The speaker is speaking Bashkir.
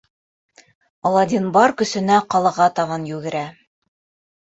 Аладдин бар көсөнә ҡалаға табан йүгерә.